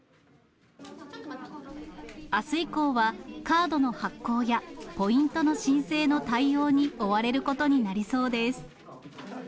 あす以降は、カードの発行やポイントの申請の対応に追われることになりそうです。